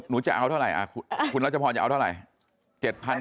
หนูจะเอาเท่าไหร่คุณรัชพรจะเอาเท่าไหร่